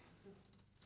nggak dapet apa apa nih